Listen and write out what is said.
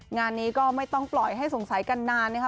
งานนี้ก็ไม่ต้องปล่อยให้สงสัยกันนานนะคะ